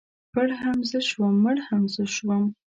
ـ پړ هم زه شوم مړ هم زه شوم.